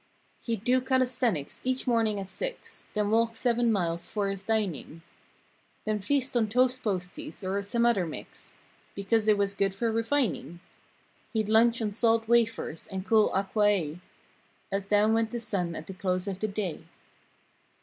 He'd do calesthenics each morning at six; Then walk seven miles 'fore his dining; Then feast on toast posties, or some other mix. Because it was good for refining. He'd lunch on salt wafers and cool aqu—a. As down went the sun at the close of the day.